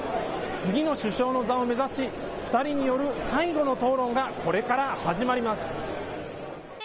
次の首相の座を目指し２人による最後の討論がこれから始まります。